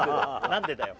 何でだよ？